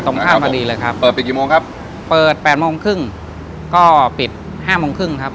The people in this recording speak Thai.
ตรงข้ามพอดีเลยครับเปิดปิดกี่โมงครับเปิดแปดโมงครึ่งก็ปิดห้าโมงครึ่งครับ